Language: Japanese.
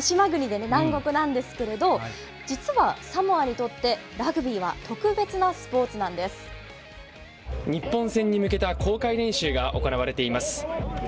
島国で南国なんですけれど、実はサモアにとって、ラグビーは特別なスポーツなんで日本戦に向けた公開練習が行われています。